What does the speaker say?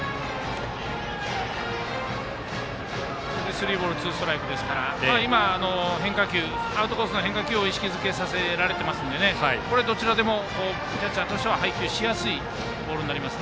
スリーボールツーストライクですから今、アウトコースの変化球を意識づけさせられていますのでどちらでもキャッチャーとしては配球しやすいボールになります。